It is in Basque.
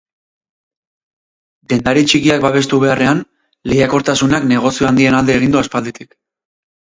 Dendari txikiak babestu beharrean lehiakortasunak negozio handien alde egin du aspalditik.